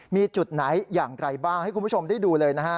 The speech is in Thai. มีจุดไหนอย่างไรบ้างให้คุณผู้ชมได้ดูเลยนะฮะ